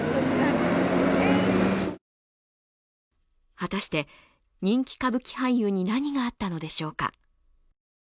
果たして、人気歌舞伎俳優に何があったのでしょうか。